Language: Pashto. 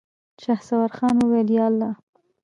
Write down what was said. شهسوار خان وويل: ياالله.